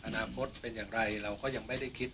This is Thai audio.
อนาคตเป็นอย่างไรเราก็ยังไม่ได้คิด